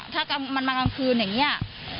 ถ้ามันมากลางคืนอย่างนี้